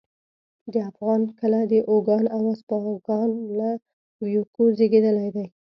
د افغان کله د اوگان او اسپاگان له ويوکو زېږېدلې ده